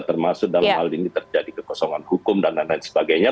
termasuk dalam hal ini terjadi kekosongan hukum dan lain lain sebagainya